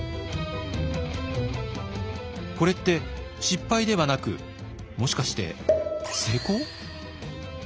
これって失敗ではなくもしかして成功？